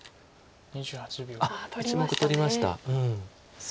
あっ１目取りました。